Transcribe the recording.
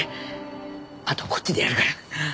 あとはこっちでやるから。